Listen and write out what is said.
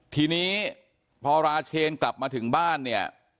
ทีนี้พอราเชนกลับมาถึงบ้านเนี่ย